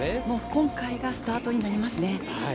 もう今回がスタートになりますね。